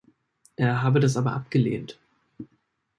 Er habe das aber abgelehnt.